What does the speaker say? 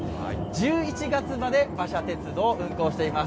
１１月まで馬車鉄道、運行しています